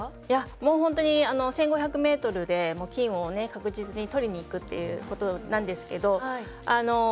いやもう本当に１５００ｍで金を確実に取りに行くっていうことなんですけどあの